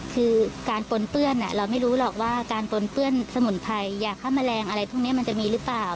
คือการปนเปื้อนเราไม่รู้หรอกว่าการปนเปื้อนสมุนไพรยาฆ่าแมลงอะไรพวกนี้มันจะมีหรือเปล่า